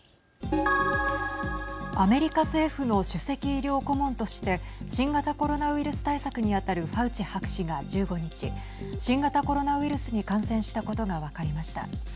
アメリカ政府の首席医療顧問として新型コロナウイルス対策に当たるファウチ博士が１５日新型コロナウイルスに感染したことが分かりました。